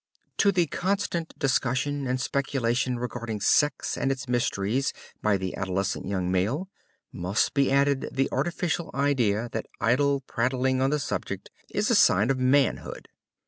To the constant discussion and speculation regarding sex and its mysteries by the adolescent young male, must be added the artificial idea that idle prattling on the subject is a sign of "manhood."